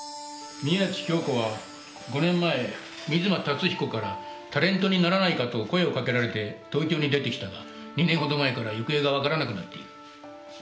宮地杏子は５年前水間達彦からタレントにならないかと声をかけられて東京に出てきたが２年ほど前から行方がわからなくなっている。